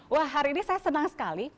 wah hari ini saya senang sekali